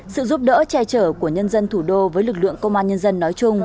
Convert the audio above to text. sự giúp đỡ che chở của nhân dân thủ đô với lực lượng công an nhân dân nói chung